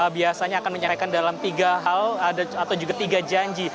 biasanya akan menyerahkan dalam tiga hal atau juga tiga janji